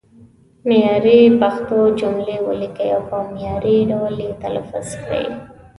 معیاري پښتو جملې ولیکئ او په معیاري ډول یې تلفظ کړئ.